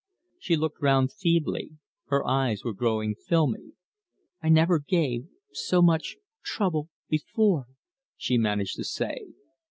She looked round feebly; her eyes were growing filmy. "I never gave so much trouble before," she managed to say.